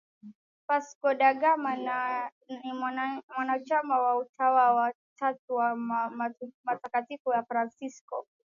Vasco da Gama ni mwanachama wa Utawa wa Tatu wa Mtakatifu Fransisko